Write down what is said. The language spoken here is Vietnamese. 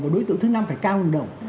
và đối tượng thứ năm phải cao hơn một đồng